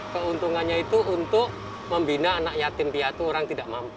keuntungannya itu untuk membina anak yatim piatu orang tidak mampu